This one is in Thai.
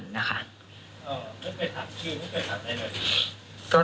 ไม่ไปถามชื่อไม่ไปฝ้าไหน